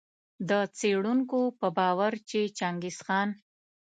د څېړونکو په باور چي چنګیز خان